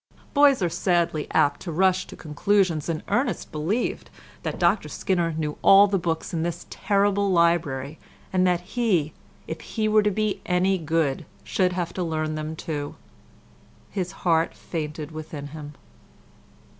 Boys are sadly apt to rush to conclusions, and Ernest believed that Dr Skinner knew all the books in this terrible library, and that he, if he were to be any good, should have to learn them too. His heart fainted within him.